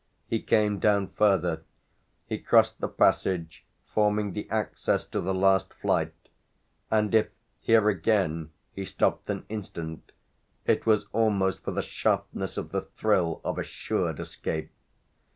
He came down further, he crossed the passage forming the access to the last flight and if here again he stopped an instant it was almost for the sharpness of the thrill of assured escape.